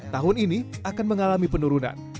tahun ini akan mengalami penurunan